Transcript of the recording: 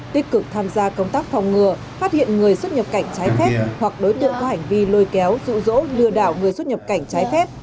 tích cực tham gia công tác phòng ngừa phát hiện người xuất nhập cảnh trái phép hoặc đối tượng có hành vi lôi kéo rụ rỗ lừa đảo người xuất nhập cảnh trái phép